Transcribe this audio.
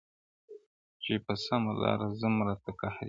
چي پر سمه لاره ځم راته قهرېږي-